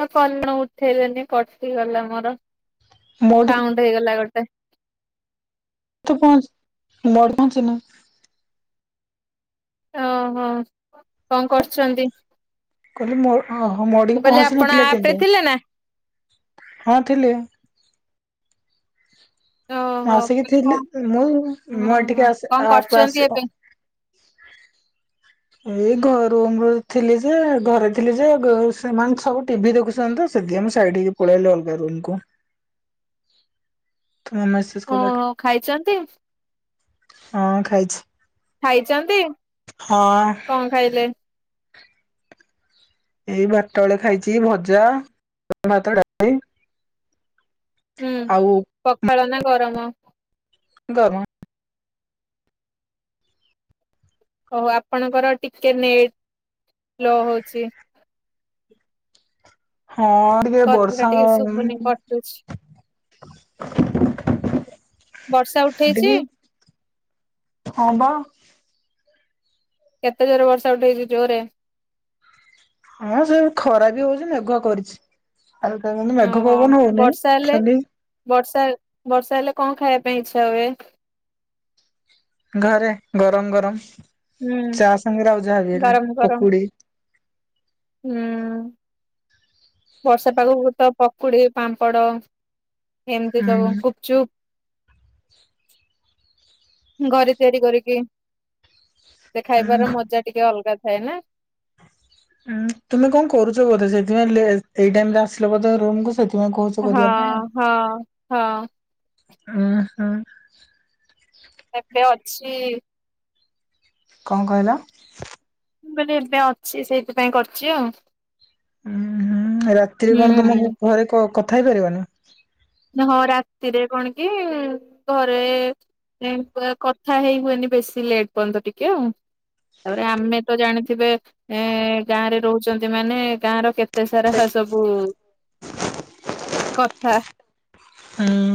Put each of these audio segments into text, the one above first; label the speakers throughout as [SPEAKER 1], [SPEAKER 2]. [SPEAKER 1] ପହରଦିନ ଉଠେଇଲେନି କଟିଗଲା ମୋର
[SPEAKER 2] ମୋଠିକି
[SPEAKER 1] ସାଉଣ୍ଡ ହେଇଗଲା ଗୋଟେ।
[SPEAKER 2] [unintelligible]
[SPEAKER 1] ଅ ହଁ। କଣ କରୁଚନ୍ତି?
[SPEAKER 2] କହିଲେ ମୋ ଅ ହ ମୋଠିକି
[SPEAKER 1] କହିଲି
[SPEAKER 2] ପହଞ୍ଚି
[SPEAKER 1] ଆପଣ
[SPEAKER 2] ନଥିଲେ
[SPEAKER 1] ଆପ ରେ
[SPEAKER 2] କିନ୍ତୁ।
[SPEAKER 1] ଥିଲେ ନା
[SPEAKER 2] ହଁ ଥିଲି। ମୁଁ
[SPEAKER 1] ଓହୋ
[SPEAKER 2] ଆସିକି
[SPEAKER 1] କହିଲି
[SPEAKER 2] ଥିଲି
[SPEAKER 1] କଣ
[SPEAKER 2] ମୁଁ ମୁଁ
[SPEAKER 1] ଓହୋ
[SPEAKER 2] ଏଠିକେ ଆସି
[SPEAKER 1] କଣ
[SPEAKER 2] ଆପ୍ କୁ
[SPEAKER 1] କରୁଛନ୍ତି
[SPEAKER 2] ଆସି
[SPEAKER 1] ଏବେ
[SPEAKER 2] ଏଇ ଘର ରୁମ୍ ରୁ ଥିଲି ଯେ ଘରେ ଥିଲି ଯେ ସେମାନେ ସବୁ ଟିଭି ଦେଖୁସନ୍ତି ସେଥିପାଇଁ ମୁଁ ସାଇଟ୍ ହେଇକି ପଳେଇ ଆଇଲି ଅଲଗା ରୁମକୁ। [unintelligible]
[SPEAKER 1] ଓହୋ, ଖାଇଚନ୍ତି
[SPEAKER 2] ହଁ ଖାଇଛି
[SPEAKER 1] ଖାଇଚନ୍ତି?
[SPEAKER 2] ହଁ।
[SPEAKER 1] କଣ ଖାଇଲେ?
[SPEAKER 2] ଏଇ ବାରଟା ବେଳେ ଖାଇଛି ଭଜା। [unintelligible]
[SPEAKER 1] ହୁଁ।
[SPEAKER 2] ଆଉ
[SPEAKER 1] ପଖାଳ ନା ଗରମ?
[SPEAKER 2] ଗରମ।
[SPEAKER 1] ଓହୋ ଆପଣଙ୍କର ଟିକେ ନେଟ୍ ସ୍ଲୋ ହଉଛି।
[SPEAKER 2] ହଁ ଟିକେ
[SPEAKER 1] କଥା ଟା
[SPEAKER 2] ବର୍ଷା
[SPEAKER 1] ଟିକେ ଶୁଭୁନି କଟୁଛି ବର୍ଷା ଉଠେଇଚି?
[SPEAKER 2] ଟିକେ ହଁ ବା।
[SPEAKER 1] କେତେ ଜୋରେ ବର୍ଷା ଉଠେଇଚି, ଜୋରେ?
[SPEAKER 2] ହଁ ସେ ଖରା ବି ହଉଚି, ମେଘୁଆ କରିଛି। ଆ [unintelligible] ମେଘ ପବନ ହଉନି ଖାଲି
[SPEAKER 1] ବର୍ଷା-ବର୍ଷା ହେଲେ କଣ ଖାଇବା ପାଇଁ ଇଚ୍ଛା ହୁଏ?
[SPEAKER 2] ଘରେ ଗରମ୍-ଗରମ୍
[SPEAKER 1] ହୁଁ।
[SPEAKER 2] ଚା ସାଙ୍ଗରେ ଆଉ ଯାହା ବି ହେଲେ
[SPEAKER 1] ଗରମ ଗରମ
[SPEAKER 2] ପକୁଡି।
[SPEAKER 1] ହୁଁ। ବର୍ଷା ପାଖକୁ ତ ପକୁଡି, ପାମ୍ପଡ ଏମ୍ତି
[SPEAKER 2] ହୁଁ
[SPEAKER 1] ସବୁ ଗୁପଚୁପ୍। ଘରେ ତିଆରି କରିକି ସେ ଖାଇବାର
[SPEAKER 2] ହୁଁ
[SPEAKER 1] ମଜା ଟିକେ ଅଲଗା ଥାଏ ନା।
[SPEAKER 2] ତୁମେ କଣ କରୁଛ ବୋଧେ, ସେଥିପାଇଁ ଲେ ଏଇ ଟାଇମ୍ ରେ ଆସିଲ ବୋଧ ରମକୁୁ [unintelligible] ତୁମେ କହୁଚ
[SPEAKER 1] ହଁ
[SPEAKER 2] କରିବା ପାଇଁ ଆଉ।
[SPEAKER 1] ହଁ ହଁ। ଏବେ ଅଛି
[SPEAKER 2] କଣ କହିଲ?
[SPEAKER 1] ମୁଁ କହିଲି ଏବେ ଅଛି ସେଇଥିପାଇଁ କରିଚି ଆଉ।
[SPEAKER 2] ଉଁ ହୁଁ ରାତିରେ କଣ
[SPEAKER 1] ହୁଁ।
[SPEAKER 2] ତମକୁ ଘରେ କ କଥା ହେଇପାରିବାନି।
[SPEAKER 1] ହଁ ରାତିରେ କଣ କି ଘରେ କଥା ହେଇ ହୁଏନି ବେଶୀ ଲେଟ୍ ପର୍ଯ୍ୟନ୍ତ ଟିକେ ଆଉ। ତାପରେ ଆମେ ତ ଜାଣିଥିବେ ଏ ଗାଁରେ ରହୁଚନ୍ତି ମାନେ ଗାଁ ର କେତେ ସାରା ସବୁ
[SPEAKER 2] ହଁ
[SPEAKER 1] କଥା।
[SPEAKER 2] ହୁଁ।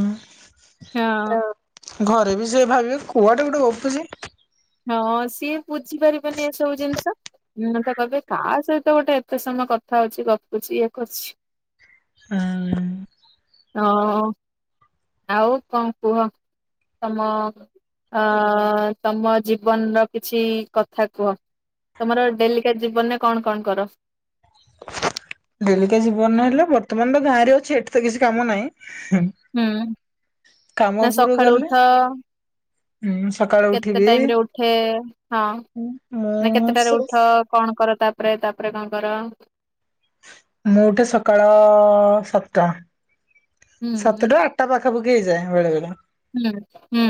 [SPEAKER 1] ହଁ।
[SPEAKER 2] ଘରେ ବି ସେୟା ଭାବିବେ କୁଆଡେ ଗୋଟେ ଗପୁଚି।
[SPEAKER 1] ହଁ ସିଏ ବୁଝିପାରିବେନି ଏସବୁ ଜିନିଷ। [unintelligible] ତ କହିବେ କାହା ସହିତ ଗୋଟେ ଏତେ ସମୟ କଥା ହଉଚି ଗପୁଚି ଇଏ କରୁଚି।
[SPEAKER 2] ହୁଁ।
[SPEAKER 1] ହଁ। ଆଉ କଣ କୁହ ତମ ଅ ତମ ଜୀବନର କିଛି କଥା କୁହ, ତମର ଡେଲିକା ଜୀବନରେ କଣ କଣ କର?
[SPEAKER 2] ଡେଲିକା ଜୀବନର ହେଲେ ବର୍ତ୍ତମାନ ତ ଗାଁରେ ଅଛି ଏଠି ତ କିଛି କାମ ନାହିଁ ହିଁ।
[SPEAKER 1] ହୁଁ ନା ସକାଳୁ ଉଠ?
[SPEAKER 2] ହୁଁ ସକାଳୁ
[SPEAKER 1] କେତେ ଟାଇମ୍
[SPEAKER 2] ଉଠିବି
[SPEAKER 1] ରେ ଉଠେ, ହଁ ମାନେ
[SPEAKER 2] ମୁଁ ସ
[SPEAKER 1] କେତେଟାରେ ଉଠ? କଣ କର ତାପରେ, ତାପରେ କଣ କର?
[SPEAKER 2] ମୁଁ ଉଠେ ସକାଳ ସାତଟା।
[SPEAKER 1] ହୁଁ।
[SPEAKER 2] ସାତଟା ଆଠଟା ପାଖାପାଖି ହେଇଯାଏ ବେଳେ-ବେଳେ।
[SPEAKER 1] ହୁଁ-ହୁଁ।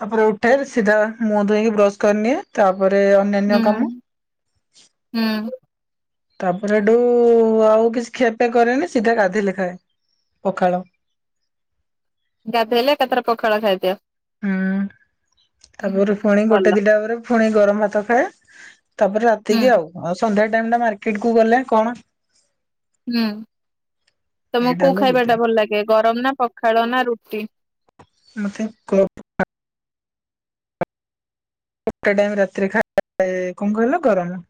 [SPEAKER 2] ତାପରେ ଉଠେ ସିଧା ମୁଁହ ଧୋଇକି ବ୍ରସ୍ କରିନିଏ, ତାପରେ ଅନ୍ୟାନ୍ୟ କାମ।
[SPEAKER 1] ହୁଁ-ହୁଁ।
[SPEAKER 2] ତାପରେ ଏଠୁ ଆଉ କିଛି ଖିଆପିଆ କରେନି, ସିଧା ଗାଧଲେେ ଖାଏ ପଖାଳ।
[SPEAKER 1] ଗାଧେଇଲେ ଏକଥରେ ପଖାଳ ଖାଇଦିଅ?
[SPEAKER 2] ହୁଁ
[SPEAKER 1] ହୁଁ
[SPEAKER 2] ତାପରେ ପୁଣି ଗୋଟେ
[SPEAKER 1] ଭଲ
[SPEAKER 2] ଦିଟା ପରେ ଫୁଣି ଗରମ୍ ଭାତ ଖାଏ, ତାପରେ
[SPEAKER 1] ହୁଁ
[SPEAKER 2] ରାତିକି ଆଉ ସନ୍ଧ୍ୟା ଟାଇମ୍ ଟା ମାର୍କେଟ କୁ ଗଲେ କଣ
[SPEAKER 1] ହୁଁ ତମକୁ
[SPEAKER 2] ଏଇଟା
[SPEAKER 1] କୋଉ
[SPEAKER 2] ହେଲା ରୁଟିନ।
[SPEAKER 1] ଖାଇବାଟା ଭଲ୍ ଲାଗେ, ଗରମ ନା ପଖାଳ ନା ରୁଟି?
[SPEAKER 2] ମତେ [unintelligible] ଗୋଟେ ଟାଇମ୍ ରାତିରେ ଖାଏ, କଣ କହିଲ ଗରମ।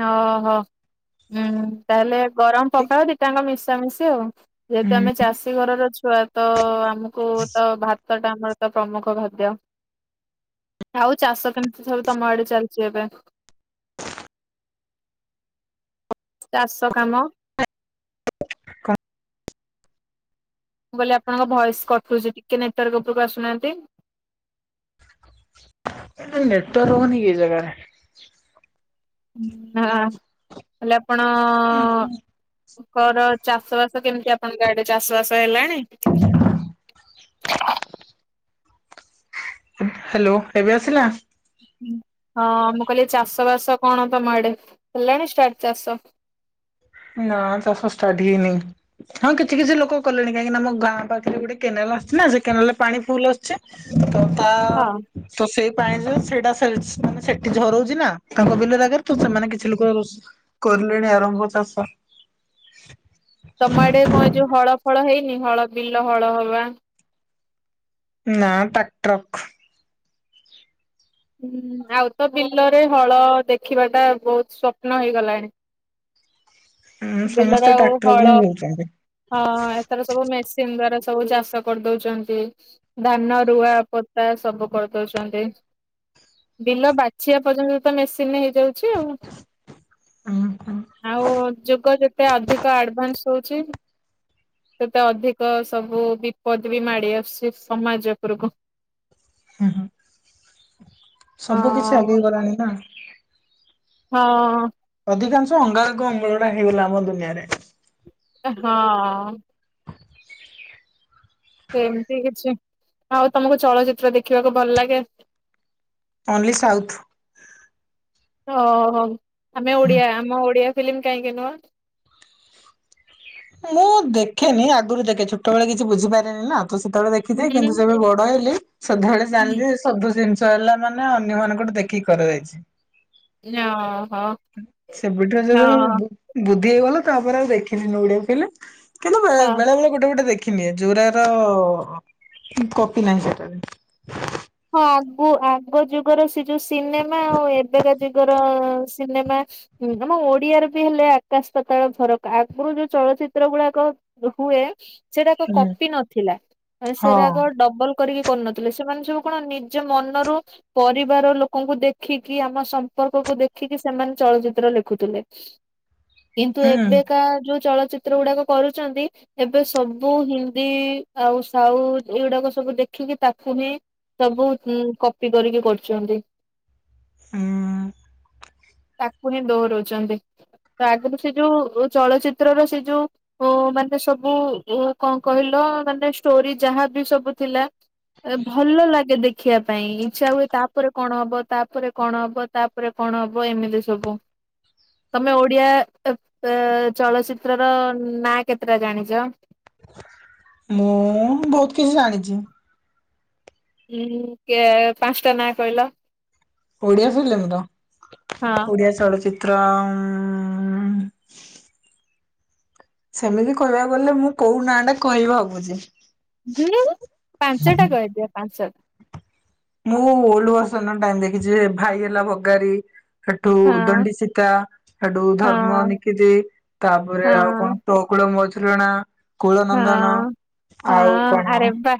[SPEAKER 1] ହଁ ଓହୋ ଉଁ ତାହେଲେ ଗରମ ପଖାଳ ଦିଟାଙ୍କ ମିଶା ମିସି ସି ଆଉ ଯେହେତୁ
[SPEAKER 2] ଉଁ
[SPEAKER 1] ଆମେ ଚାଷୀ ଘରର ଛୁଆ ତ ଆମକୁ ତ ଭା ତ ଟା ଆମର ପ୍ରମୁଖ ଖାଦ୍ୟ। ଆଉ ଚାଷ କେମିତି ସବୁ ତମ ଆଡେ ଚାଲିଛି ଏବେ। ଚାଷ କାମ
[SPEAKER 2] [unintelligible]
[SPEAKER 1] ମୁଁ କହିଲି ଆପଣଙ୍କ ଭଏସ କଟୁଛି ଟିକେ ନେଟାର୍କ ଉପରକୁ ଆସୁନାହାନ୍ତି।
[SPEAKER 2] ନେଟାର୍କ ରଉନି କି ଏ ଜାଗାରେ।
[SPEAKER 1] ହଁ ହ। ହେଲେ ଆପଣ ଙ୍କର ଚାଷ ବାସ କେମିତି ଆ ପଣଙ୍କ ଆଡେ ଚାଷ ବାସ ହେଲାଣି।
[SPEAKER 2] ହ୍ୟାଲୋ ଏବେ ଆସିଲା।
[SPEAKER 1] ହଁ ମୁଁ କହିଲି ଚାଷ ବାସ କଣ ତମ ଆଡେ ହେଲାଣି ଷ୍ଟାର୍ଟ ଚାଷ।
[SPEAKER 2] ହଁ ଚାଷ ଷ୍ଟାର୍ଟ ହେଇନି।। ହଁ କିଛି କିଛି ଲୋକ କଲେଣି କାହିଁକି ନା ଆମ ଗାଁ ପାଖରେ ଗୋଟେ କେନାଲ ଆସିଚି ନା ସେ କେନାଲ ରେ ପାଣି ଫୁଲ ଆସୁଛି। ତ ତା
[SPEAKER 1] ହଁ
[SPEAKER 2] ତ ସେଇ ପାଇଁ ଯେ ସେଇଟା ସେ ମାନେ ସେଠି ଝରଉଛି ନା ତାଙ୍କ ବିଲ ରକରେ ତ ସେମାନେ କି ଛି ଲୋକ କଲେଣି ଆରମ୍ଭ ଚାଷ।
[SPEAKER 1] ତମ ଆଡେ କଣ ଯୋଉ ହଳ ଫଳ ହେଇନି ହଳ ବିଲ ହଳ ହବା।
[SPEAKER 2] ନା ଟ୍ରାକ୍ଟରକ୍
[SPEAKER 1] ହୁଁ ଆଉ ତ ବିଲରେ ହଳ ଦେଖିବା ଟା ବହୁତ ଶୁପ୍ନ ହେଇଗଲାଣି।
[SPEAKER 2] ହଁ
[SPEAKER 1] ବିଲରେ
[SPEAKER 2] ସମସ୍ତେ
[SPEAKER 1] ଆଉ ହଳ
[SPEAKER 2] ଟ୍ରାକ୍ଟରକୁ ହି କହୁଛନ୍ତି।
[SPEAKER 1] ହଁ ଏଥର ସବୁ ମେସିନ ଦ୍ଵାରା ସବୁ ଚାଷ କରିଦଉଛନ୍ତି। ଧାନ ରୁଆ ପୋତା ସବୁ କରିଦଉଛନ୍ତି। ବିଲ ବାଛିବା ପର୍ଯ୍ୟନ୍ତ ତ ମେସିନରେ ହେଇଯାଉଛି ଆଉ।
[SPEAKER 2] ହୁଁ ହୁଁ
[SPEAKER 1] ଆଉ ଯୁଗ ଯେତେ ଅଧିକ ଆଡଭାନ୍ସ ହଉଚି ସେତେ ଅଧିକ ସବୁ ବିପଦ ବି ମାଡି ଆସୁଛି ସମାଜ ଉପରକୁ।
[SPEAKER 2] ହଁ ହଁ। ସବୁ କିଛି
[SPEAKER 1] ହଁ
[SPEAKER 2] ଆଗେଇ ଗଲାଣି ନା।
[SPEAKER 1] ହଁ।
[SPEAKER 2] ଅଧିକାଂଶ ଅଙ୍ଗାରକ ଅଙ୍ଗୁଳଟା ହେଇଗଲା ଆମ ଦୁନିଆରେ।
[SPEAKER 1] ଏ ହଁ। ସେମିତି କିଛି ଆଉ ତମକୁ ଚଳଚିତ୍ର ଦେଖିବାକୁ ଭଲ ଲାଗେ।
[SPEAKER 2] Only south.
[SPEAKER 1] ଓହୋ ଆମେ ଓଡିଆ ଆମ ଓଡିଆ ଫିଲ୍ମ କାହିଁକି ନୁହଁ।
[SPEAKER 2] ମୁଁ ଦେଖେନି ଆଗରୁ ଦେଖେ ଛୋଟବେଳେ କିଛି ବୁଝିପାରେନି ନା ତ ସେତେବେଳେ ଦେଖ୍ ଖିଥାଏ
[SPEAKER 1] ହୁଁ
[SPEAKER 2] କିନ୍ତୁ ଯେବେ ବଡ ହେଲି ସାଦେ ବେଳେ
[SPEAKER 1] ହୁଁ
[SPEAKER 2] ଜାଣିଲି ସବୁ ସେମ୍ ତି ହେଲା ଲା ମାନେ ଅନ୍ୟମାନଙ୍କୁ ଠୁ ଦେଖିକି କରାଯାଇଛି।
[SPEAKER 1] ଓହୋ।
[SPEAKER 2] ସେବେଠୁ
[SPEAKER 1] ହଁ
[SPEAKER 2] ଯୋଉ ବୁଦ୍ଧି ହେଇ ଗଲା ତାପରେ ଆଉ ଦେଖିଲି ନି ଓଡ଼ିଆ ଫିଲିମ୍ କିନ୍ତୁ ବେ
[SPEAKER 1] ହଁ।
[SPEAKER 2] ବେଳେ ବେଳେ ଗୋଟେ ଗୋଟେ ଦେଖିନିଏ ଯୋଉରାର କପି ନାହିଁ ସେଟାରେ।
[SPEAKER 1] ହଁ ଆଗ ଆଗ ଯୁଗର ସେ ଯୋଉ ସିନେମା ଆଉ ଏବେକା ଯୁଗର ସିନେମା ହୁଁ ଆମ ଓଡିଆରେ ବି ହେଲେ ଆକାଶ ପତାଳ ଫରକ ଆଗରୁ ଯୋଉ ଚଳଚିତ୍ର ଗୁଡାକ ହୁଏ। ସେଟାକ
[SPEAKER 2] ହୁଁ
[SPEAKER 1] କପି ନଥିଲା ମାନ
[SPEAKER 2] ହଁ
[SPEAKER 1] ସେରାକ ଡବଲ କରିକି କରୁନଥିଲେ ସେମାନେ ସବୁ କଣ ନିଜ ମନରୁ ପରିବାର ଲୋକଙ୍କୁ ଦେଖିକି ଆମ ସମ୍ପର୍କକୁ ଦେଖିକି ସେମାନେ ଚଳଚିତ୍ର ଲେଖୁଥିଲେ। କିନ୍ତୁ
[SPEAKER 2] ହୁଁ।
[SPEAKER 1] ଏବେକା ଯୋଉ ଚଳଚିତ୍ର ଗୁଡାକ କରୁଛନ୍ତି। ଏବେ ସବୁ ହିନ୍ଦୀ ଆଉ ସାଉଥ ଏଗୁଡାକ ସବୁ ଦେଖିକି ତାକୁ ହିଁ ସବୁ ଉଁ କପି କରିକି କରଚନ୍ତି।
[SPEAKER 2] ଉଁ।
[SPEAKER 1] ପୁଣି ଦୋହରୋଉଚନ୍ତି ତା ଆଗରୁ ସେ ଯୋଉ ଚଳଚିତ୍ରର ସେ ଯୋଉ ଓ ମାନେ ସବୁ ଉ କଣ କହିଲ ମାନେ ଷ୍ଟୋରି ଯାହାବି ସବୁ ଥିଲା ଏ ଭଲ ଲା ଗେ ଦେଖିବା ପାଇଁ ଇଛା ହୁଏ ତାପରେ କଣ ହବ ତାପରେ କଣ ହବ ତାପରେ କଣ ହବ ଏମିତି ସ୍ ସବୁ। ତମେ ଓଡିଆ ଏ ଏ ଚଳଚିତ୍ରର ନାଆ କେତେଟା ଜାଣିଚ?
[SPEAKER 2] ମୁଁ ବୋହୁତ କିଛି ଜାଣିଚି।
[SPEAKER 1] ଉଁ କେ ପାଞ୍ଚଟା ନାଆ କହିଲ?
[SPEAKER 2] ଓଡିଆ ଫିଲିମର
[SPEAKER 1] ହଁ
[SPEAKER 2] ଓଡିଆ ଚଳଚିତ୍ର ଉଁମ୍ ସେମିତି କହିବାକୁ ଗଲେ ମୁଁ କୋଉ ନାଆଟା କହିବି ଭାଗୁଚି।
[SPEAKER 1] ହୁଁ ପାଞ୍ଚଟା କହିଦିଆ ପାଞ୍ଚଟା।
[SPEAKER 2] ମୁଁ ଓଲଡ୍ ଭର୍ସନର ଟାଇମ ଦେଖିଚି ଭାଇ ହେଲା ଭଗାରି। ହେଠୁ
[SPEAKER 1] ହଁ
[SPEAKER 2] ଉଦଣ୍ଡି ସୀତା, ହେଠୁ
[SPEAKER 1] ହଁ
[SPEAKER 2] ଧର୍ମ ନିକିତି, ତାପରେ ଆଉ
[SPEAKER 1] ହଁ
[SPEAKER 2] କଣ ତୋ କୋଳ ମୋ ଝୁଲଣା, କୁଳ ନନ୍ଦନ
[SPEAKER 1] ହଁ
[SPEAKER 2] ଆଉ
[SPEAKER 1] ହଁ
[SPEAKER 2] କଣ
[SPEAKER 1] ଆରେ ବା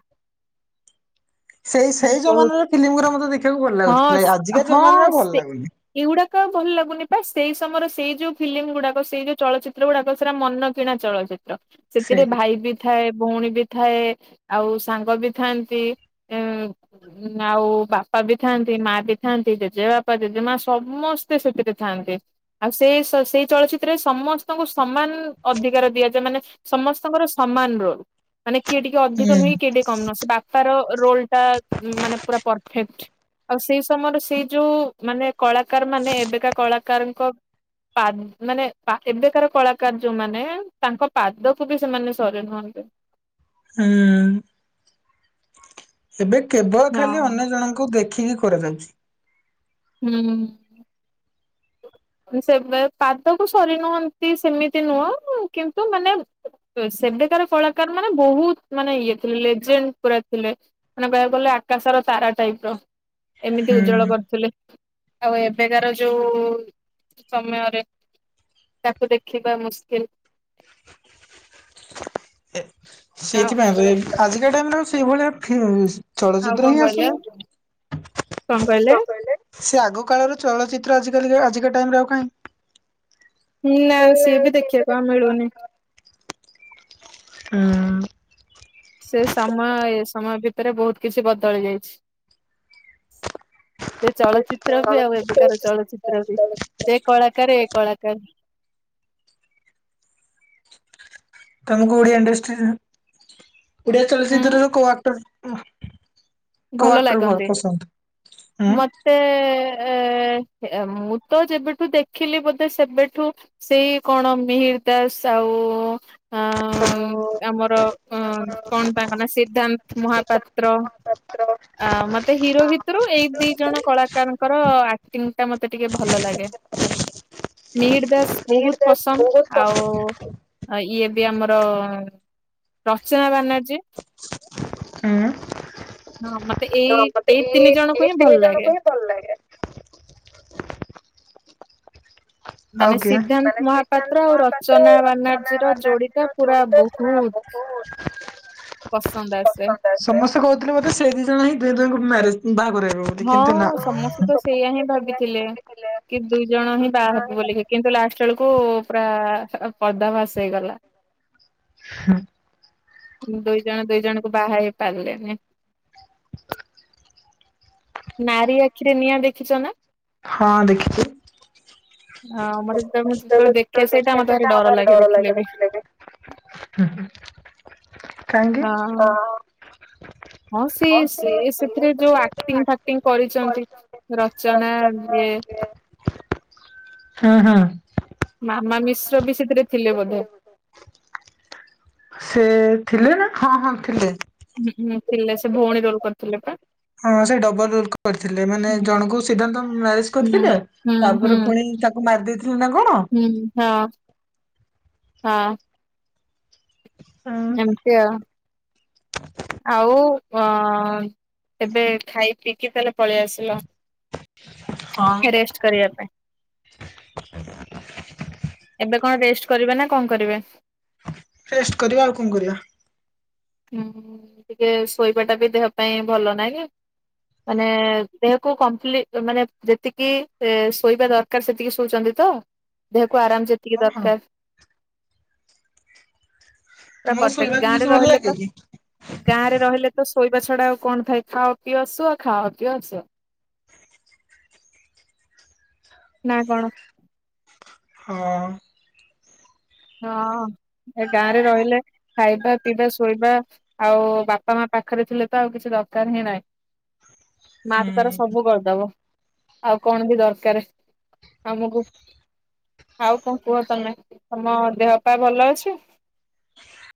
[SPEAKER 2] ସେଇ ସେଇ
[SPEAKER 1] ବହୁତ
[SPEAKER 2] ଜମାନାର ଫିଲିମଗୁରା ମତେ ଦେଖିବାକୁ ଭଲ
[SPEAKER 1] ହଁ
[SPEAKER 2] ଲାଗୁଥିଲା ଏ ଆଜିକା ଜମାନାରେ
[SPEAKER 1] ହଁ
[SPEAKER 2] ଆଉ ଭଲ
[SPEAKER 1] ସେ
[SPEAKER 2] ଲାଗୁନି।
[SPEAKER 1] ଏଇଗୁଡାକ ଆଉ ଭଲ ଲାଗୁନି ବାସ ସେଇ ସମୟରେ ସେଇ ଯୋଉ ଫିଲିମ୍ ଗୁଡାକ ସେଇ ଯୋଉ ଚଳଚିତ୍ର ଗୁଡାକ ସେରା ମନ କିଣା ଚଳଚିତ୍ର।
[SPEAKER 2] ସେଇ
[SPEAKER 1] ସେଥିରେ ଭାଇ ବି ଥାଏ ଭୋଉଣୀ ବି ଥାଏ ଆଉ ସାଙ୍ଗ ବି ଥାଆନ୍ତି। ଉଁ ଆଉ ବାପା ବି ଥାନ୍ତି ମାଆ ବି ଥାନ୍ତି ଜେଜେ ବାପା, ଜେଜେ ମାଆ ସମସ୍ତେ ସେଥିରେ ଥାଆନ୍ତି। ଆଉ ସେଇ ସ ସେଇ ଚଳଚିତ୍ରରେ ସମସ୍ତଙ୍କୁ ସମାନ ଅଧିକାର ଦିଆଯାଏ ମାନେ ସମସ୍ତଙ୍କର ସମାନ ରୋଲ୍ ମାନେ କିଏ ଟିକେ ଅଧିକ
[SPEAKER 2] ହୁଁ
[SPEAKER 1] ନୁହେଁ କି କିଏ ଟିକେ କମ ନୁହଁ ସେ ବାପାର ରୋଲ୍ ଟା ମାନେ ପୁରା ପରଫେକ୍ଟ୍। ଆଉ ସେଇ ସମୟର ସେଇ ଯୋଉ ମାନେ କଳାକାରମାନେ ଏବେକା କଳାକାରଙ୍କ ପାଦ୍ ମାନେ ପା ଏବେକାର କଳାକାର ଯୋଉମାନେ ତାଙ୍କ ପାଦକୁ ବି ସେମାନେ ସରି ନୁହନ୍ତ।
[SPEAKER 2] ହୁଁ। ଏବେ କେବଳ ଖାଲି
[SPEAKER 1] ହଁ।
[SPEAKER 2] ଅନ୍ୟ ଜଣଙ୍କୁ ଦେଖିକି କରାଯାଉଚି।
[SPEAKER 1] ହୁଁ। ସେ ଏ ପାଦକୁ ସରି ନୁହନ୍ତି ସେମିତି ନୁହଁ ଉଁ କିନ୍ତୁ ମାନେ ସେବେକାର କଳାକାରମାନେ ବୋହୁତ ମାନେ ଇଏ ଥିଲେ ଲେଜେଣ୍ଡ ପୁରା ଥିଲେ। ମାନେ କହିବାକୁ ଗଲେ ଆକାଶର ତାରା ଟାଇପର। ଏମିତି
[SPEAKER 2] ହୁଁ
[SPEAKER 1] ଉଜ୍ବଳ କରୁଥୁଲେ ଆଉ ଏବେକାର ଯୋଉ ସମୟରେ ତାକୁ ଦେଖିବା ମୁସ୍କିଲ।
[SPEAKER 2] ସେଇଥିପାଇଁ ତ ଏ ଆଜିକା ଟାଇମର ଆଉ ସେଇଭଳିଆ ଫି
[SPEAKER 1] ଆଉ କଣ
[SPEAKER 2] ଚଳଚିତ୍ର ହିଁ
[SPEAKER 1] କହିଲେ
[SPEAKER 2] ଆସୁନି।
[SPEAKER 1] କଣ କହିଲେ?
[SPEAKER 2] ସେ ଆଗ କାଳର ଚଳଚିତ୍ର ଆଜିକାଲିରେ ଆଜିକା ଟାଇମରେ ଆଉ କାହିଁ?
[SPEAKER 1] ହୁଁ ନା ସିଏ ବି ଦେଖିବାକୁ ଆଉ ମିଳୁନି।
[SPEAKER 2] ହଁ।
[SPEAKER 1] ସେ ସମୟ ଏ ସମୟ ଭିତରେ ବୋହୁତ କିଛି ବଦଳି ଯାଇଛି। ସେ ଚଳଚିତ୍ ଚିତ୍ର ବି ଆଉ ଏବେକାର ଚଳଚିତ୍ର ବି ସେ କଳାକାର ଏ କଳାକାର।
[SPEAKER 2] ତମକୁ ଓଡ଼ିଆ ଇଣ୍ଡଷ୍ଟ୍ରିର୍ ଓଡ଼ିଆ
[SPEAKER 1] ହୁଁ
[SPEAKER 2] ଚଳଚ୍ଚିତ୍ରର କୋଉ ଆକ୍ଟର ଉଁ କଉ
[SPEAKER 1] ଭଲ
[SPEAKER 2] ଆକ୍ଟର ଭଲ୍
[SPEAKER 1] ଲାଗନ୍ତି।
[SPEAKER 2] ପସନ୍ଦ?
[SPEAKER 1] ଏ ହେ ଏ ମୁଁ ତ ଯେବେଠୁ ଦେଖିଲି ବୋଧେ ସେବେଠୁ ସେଇ କଣ ମିହିର ଦାସ ଆଉ ଆଁ ଆମର ଅଁ କଣ ତାଙ୍କ ନାଆ ସିଦ୍ଧାନ୍ତ ମହାପାତ୍ର
[SPEAKER 2] ପାତ୍ର
[SPEAKER 1] ଆଁ ମତେ ହିରୋ ଭିତୁରୁ ଏଇ ଦିଜଣ କଳାକାରଙ୍କର ଆକ୍ଟିଙ୍ଗଟା ମତେ ଟିକେ ଭଲ ଲାଗେ।
[SPEAKER 2] [inaudible]
[SPEAKER 1] ମିହର ଦାସ ବହୁତ ପସନ୍ଦ। ଆଉ ଆଉ ଇଏ ବି ଆମର ରଚନା ବାନାର୍ଜୀ।
[SPEAKER 2] ହୁଁ।
[SPEAKER 1] ହଁ ମତେ ଏଇ ଏଇ ତିନି ଜଣଙ୍କୁ ହିଁ ଭଲ ଲାଗେ।
[SPEAKER 2] ଆଉ
[SPEAKER 1] ମାନେ
[SPEAKER 2] କିଏ?
[SPEAKER 1] ସିଦ୍ଧାନ୍ତ
[SPEAKER 2] ମାନେ
[SPEAKER 1] ମହାପାତ୍ର
[SPEAKER 2] ସିଦ୍ଧାନ୍ତ
[SPEAKER 1] ଆଉ
[SPEAKER 2] ମହାପାତ୍ର ଓ
[SPEAKER 1] ରଚନା
[SPEAKER 2] ରଚନା
[SPEAKER 1] ବାନାର୍ଜୀର ଯୋଡିଟା
[SPEAKER 2] ବାନାର୍ଜୀ ର
[SPEAKER 1] ପୁରା
[SPEAKER 2] ଯୋଡିି ତ
[SPEAKER 1] ବହୁତ
[SPEAKER 2] ପୁରା। [unintelligible]
[SPEAKER 1] ପସନ୍ଦ ଆସେ।
[SPEAKER 2] ସମସ୍ତେ କହୁଥିଲେ ବୋଧେ ସେ ଦି ଜଣ ହିଁ ଦୁହେଁ ଦୁହିଁଙ୍କୁ ମ୍ୟାରେଜ ବାହାଘର ହେବେ। ବୋଲି
[SPEAKER 1] ହଁ
[SPEAKER 2] କିନ୍ତୁ ନା
[SPEAKER 1] ସମସ୍ତେ ତ ସେଇୟା ହିଁ
[SPEAKER 2] ସେଇଆ
[SPEAKER 1] ଭାବିଥିଲେ। କି ଦୁଇ ଜଣ ହିଁ ବାହା ହେବ ବୋଲିକି। କିନ୍ତୁ ଲାଷ୍ଟ ବେଳକୁ ପୁରା ପରଦା ଫାସ ହେଇଗଲା।
[SPEAKER 2] [inaudible]
[SPEAKER 1] ଦୁଇ ଜଣ ଦୁଇ ଜଣଙ୍କୁ ବାହା ହେଇ ପାରିଲେନି। ନାରୀ ଆଖିରେ ନିଆଁ ଦେଖିଛ ନା?
[SPEAKER 2] ହଁ ଦେଖିଚି।
[SPEAKER 1] ହଁ [unintelligible]
[SPEAKER 2] [unintelligible] ଯେତେବେଳେ ଦେଖେ ସେଇଟା ମତେ ଡର ଲାଗେ ଦେଖିଲେ ବି। କାହିଁକି?
[SPEAKER 1] ହଁ।
[SPEAKER 2] ଅଁ
[SPEAKER 1] ହଁ ସେ ସେ ସେଥିରେ ଯୋଉ ଆକ୍ଟିଂ ଫାକ୍ଟିଂ କରିଛନ୍ତି ରଚନା ଇଏ
[SPEAKER 2] ହଁ ହଁ।
[SPEAKER 1] ମାମା ମିଶ୍ର ବି ସେଥିରେ ଥିଲେ ବୋଧେ।
[SPEAKER 2] ସେ ଥିଲେ ନା ହଁ ହଁ ଥିଲେ।
[SPEAKER 1] ହୁଁ ହୁଁ ଥିଲେ ସେ ଭଉଣୀ ରୋଲ କରିଥିଲେ ପା।
[SPEAKER 2] ହଁ ସେ ଡବଲ ରୋଲ୍ କରିଥିଲେ ମାନେ
[SPEAKER 1] ହୁଁ
[SPEAKER 2] ଜଣଙ୍କୁ ସିଦ୍ଧାନ୍ତ ମ୍ୟାରେଜ
[SPEAKER 1] ହୁଁ
[SPEAKER 2] କରିଥିଲେ
[SPEAKER 1] ହୁଁ
[SPEAKER 2] ତାପରେ ପୁଣି ତାକୁ ମାରି ଦେଇଥିଲେ ନା କଣ
[SPEAKER 1] ହଁ ହଁ ହଁ। ଏମିତି ଆଉ। ଆଉ ଅ ଏବେ ଖାଇ ପିଇକି ତାଲେ ପଳେଇ ଆସିଲ?
[SPEAKER 2] [inaudible]
[SPEAKER 1] ରେଷ୍ଟ କରିବା ପାଇଁ। ଏବେ କଣ ରେଷ୍ଟ କରିବେ ନା କଣ କରିବେ?
[SPEAKER 2] ରେଷ୍ଟ କରିବା ଆଉ କଣ କରିବା?
[SPEAKER 1] ହୁଁ ଟିକେ ଶୋଇବା ଟା ବି ଦେହ ପାଇଁ ଭଲ ନାହିଁ କି? ମାନେ ଦେହକୁ କମ୍ପ୍ଲି ମାନେ ଯେତିକି ଶୋଇବା ଦର କାର ସେତିକି ଶୋଉଛନ୍ତି ତ? ଦେହକୁ ଆରାମ ଯେତିକି
[SPEAKER 2] ହଁ ହଁ
[SPEAKER 1] ଦରକାର।
[SPEAKER 2] ତୁମକୁ ଶୋଇବାକୁ ବେଶୀ ଭଲ ଲାଗେ କି?
[SPEAKER 1] ଗାଁ ରେ ରହିଲେ ତ ଶୋଇବା ଛଡ଼ା ଆଉ କଣ ଥାଏ? ଖାଅ ପିଅ ଶୁଅ ଖାଅ ପିଅ ଶୁଅ। ନା କଣ?
[SPEAKER 2] ହଁ।
[SPEAKER 1] ହଁ, ଏ ଗାଁରେ ରହିଲେ ଖାଇବା ପିଇବା ଶୋଇବା ଆଉ ବାପା ମା ପାଖରେ ଥିଲେ ତ ଆଉ କିଛି ଦରକାର ହିଁ ନାହିଁ। ମାଆ ତ ତାର
[SPEAKER 2] ହୁଁ
[SPEAKER 1] ସବୁ କରିଦବ ଆଉ କଣ ବି ଦରକାର ଆମକୁ। ଆଉ କଣ କୁହ ତମେ? ତମ ଦେହ ପା ଭଲ ଅଛି?